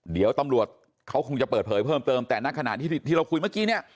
เดี๋ยวตำรวจเขาคงจะเปิดเผยเพิ่มเติมแต่นักขณะที่ที่เราคุยเมื่อกี้เนี่ย